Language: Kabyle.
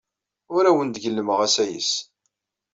Ur awen-d-gellmeɣ asayes.